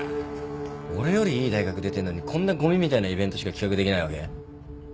俺よりいい大学出てんのにこんなゴミみたいなイベントしか企画できないわけ？